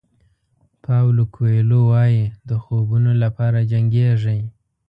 پاویلو کویلو وایي د خوبونو لپاره جنګېږئ.